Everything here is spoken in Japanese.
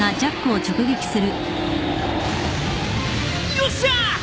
よっしゃ！